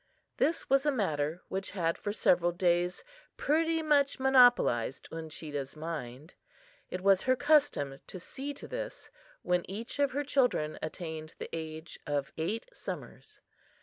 This was a matter which had, for several days, pretty much monopolized Uncheedah's mind. It was her custom to see to this when each of her children attained the age of eight summers.